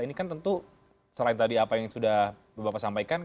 ini kan tentu selain tadi apa yang sudah bapak sampaikan